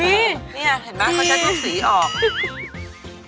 นี่เห็นไหมเค้าใช้ตัวสีออก